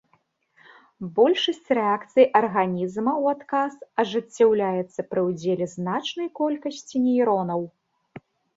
Большасць рэакцый арганізма ў адказ ажыццяўляецца пры ўдзеле значнай колькасці нейронаў.